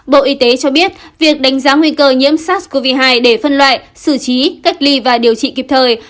bộ y tế cho biết việc đánh giá nguy cơ nhiễm sars cov hai để phân loại xử trí cách ly và điều trị kịp thời